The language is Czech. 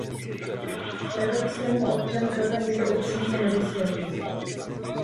Evropskému občanu toto nikdo upřímně nevysvětlí.